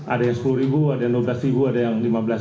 ada yang sepuluh ribu ada yang dua belas ada yang lima belas